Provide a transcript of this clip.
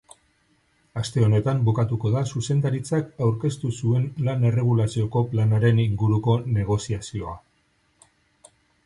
Aste honetan bukatuko da zuzendaritzak aurkeztu zuen lan-erregulazioko planaren inguruko negoziazioa.